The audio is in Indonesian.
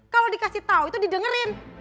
kalau dikasih tahu itu didengerin